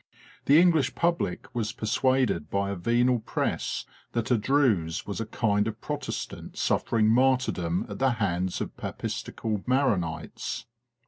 The English public was persuaded by a venal press that a Druse was a kind of Protestant suffering martyrdom at the hands of papistical Maronites.